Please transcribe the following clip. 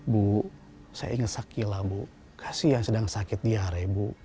bu saya ingat sakila bu kasian sedang sakit diare bu